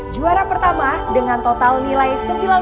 juara pertama dengan total nilai sembilan puluh enam